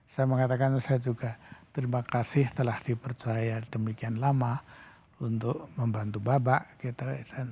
saya mengatakan saya juga terima kasih telah dipercaya demikian lama untuk membantu bapak gitu